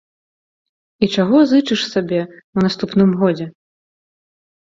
І чаго зычыш сабе ў наступным годзе?